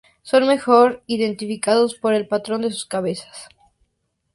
Son mejor identificados por el patrón de sus cabezas.